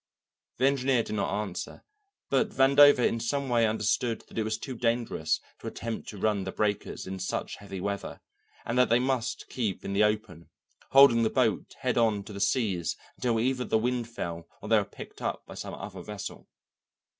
The engineer did not answer, but Vandover in some way understood that it was too dangerous to attempt to run the breakers in such heavy weather, and that they must keep in the open, holding the boat head on to the seas until either the wind fell or they were picked up by some other vessel.